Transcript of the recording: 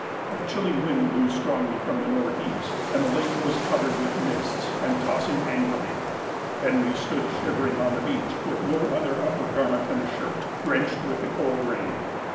A chilling wind blew strongly from the north east, and the lake was covered with mists, and tossing angrily. Henry stood shivering on the beach, with no other upper garment than a shirt, drenched with the cold rain.